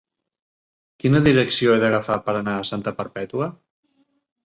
Quina direcció he d'agafar per anar a Santa Perpètua?